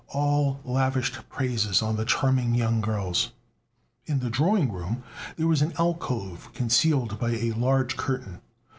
All lavished praises on the charming young girls. In the drawing room there was an alcove concealed by a large curtain.